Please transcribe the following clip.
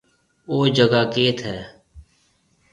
او جگھا ڪيٿ هيَ؟